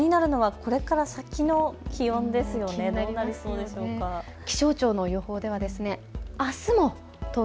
気になるのはこれから先の気温ですよね。